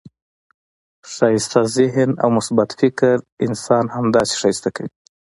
ښایسته ذهن او مثبت فکر انسان همداسي ښایسته کوي.